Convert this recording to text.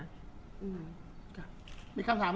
คุณผู้ถามเป็นความขอบคุณค่ะ